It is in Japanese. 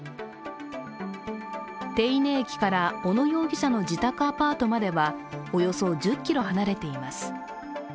手稲駅から小野容疑者の自宅アパートまではおよそ１０ｋｍ離れています。